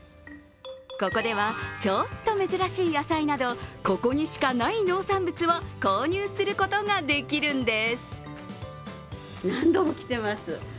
ここではちょっと珍しい野菜など、ここにしかない農産物を購入することができるんです。